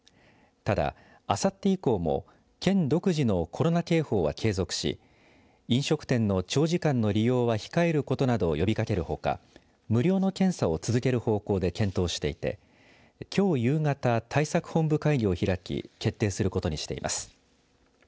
ただ、あさって以降も県独自のコロナ警報は継続し飲食店の長時間の利用は控えることなどを呼びかけるほか無料の検査を続ける方向で検討していてきょう夕方、対策本部会議を開き決定することにしています。